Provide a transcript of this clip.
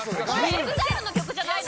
「ＥＸＩＬＥの曲じゃないの？」